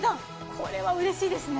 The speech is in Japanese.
これはうれしいですね。